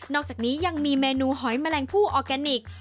อกจากนี้ยังมีเมนูหอยแมลงผู้ออร์แกนิค